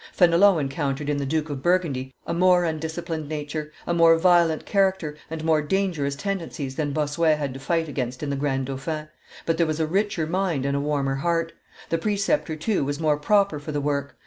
Fenelon encountered in the Duke of Burgundy a more undisciplined nature, a more violent character, and more dangerous tendencies than Bossuet had to fight against in the grand dauphin; but there was a richer mind and a warmer heart; the preceptor, too, was more proper for the work.